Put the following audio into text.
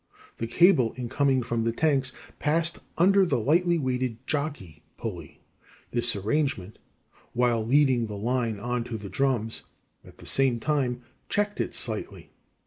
The cable in coming from the tanks, passed under a lightly weighted 'jockey,' J, pulley. This arrangement, while leading the line on to the drums, at the same time checked it slightly.